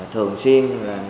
thường xuyên là